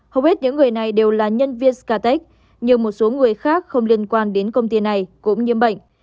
hầu hết những người này đều là nhân viên scatech nhưng một số người khác không liên quan đến công ty này cũng nhiễm bệnh